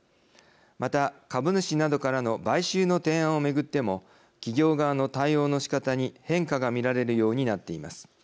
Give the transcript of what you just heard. また、株主などからの買収の提案を巡っても企業側の対応のしかたに変化が見られるようになっています。